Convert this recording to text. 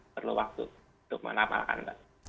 perlu waktu untuk mengapalkan mbak